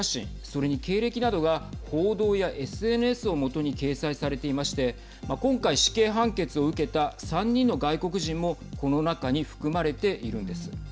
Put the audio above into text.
それに経歴などが、報道やＳＮＳを基に掲載されていまして今回、死刑判決を受けた３人の外国人もこの中に含まれているんです。